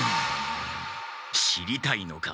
知りたいのか？